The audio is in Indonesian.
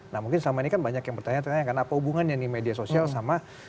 nah mungkin selama ini kan banyak yang bertanya tanya kan apa hubungannya nih media sosial sama